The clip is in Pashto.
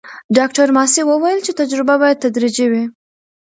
ډاکټره ماسي وویل چې تجربه باید تدریجي وي.